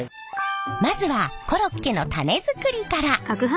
まずはコロッケのタネ作りから。